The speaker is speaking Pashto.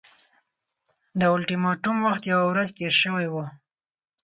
د اولټیماټوم وخت یوه ورځ تېر شوی وو.